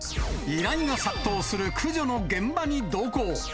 依頼が殺到する駆除の現場に同行。